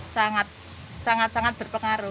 sangat sangat sangat berpengaruh